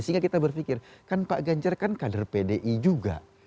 sehingga kita berpikir kan pak ganjar kan kader pdi juga